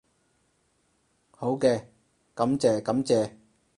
好嘅，感謝感謝